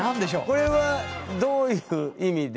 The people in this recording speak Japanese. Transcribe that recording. これはどういう意味での。